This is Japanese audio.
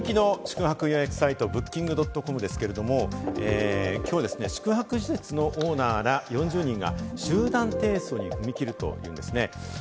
人気の宿泊予約サイト、Ｂｏｏｋｉｎｇ．ｃｏｍですが、きょう、宿泊施設のオーナーら４０人が集団提訴に踏み切るといいますね。